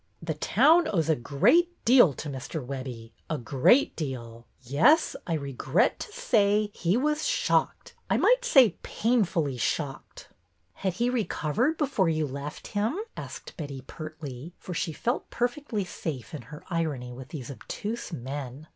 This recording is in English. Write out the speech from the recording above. The town owes a great deal to Mr. Webbie, a great deal. Yes, I regret to say, he was shocked, I might say painfully shocked." Had he recovered before you left him ?" asked Betty, pertly, for she felt perfectly safe in her irony with these obtuse men.